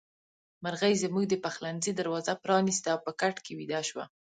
مرغۍ زموږ د پخلنځي دروازه پرانيسته او په کټ کې ويده شوه.